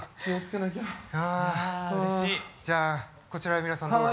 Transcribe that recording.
じゃあこちらに皆さんどうぞ。